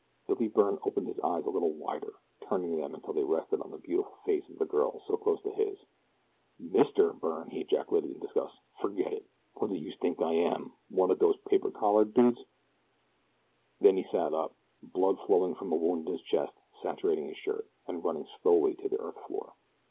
Billy Byrne opened his eyes a little wider, turning them until they rested on the beautiful face of the girl so close to his. "MR. Byrne!" he ejaculated in disgust. "Forget it. Wot do youse tink I am, one of dose paper collar dudes?" Then he sat up. Blood was flowing from a wound in his chest, saturating his shirt, and running slowly to the earth floor.